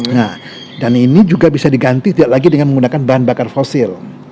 nah dan ini juga bisa diganti tidak lagi dengan menggunakan bahan bakar fosil